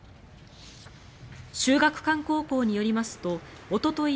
秀岳館高校によりますとおととい